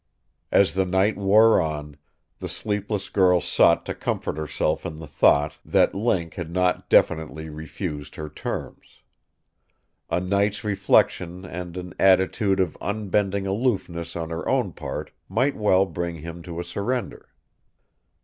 As the night wore on, the sleepless girl sought to comfort herself in the thought that Link had not definitely refused her terms. A night's reflection and an attitude of unbending aloofness on her own part might well bring him to a surrender.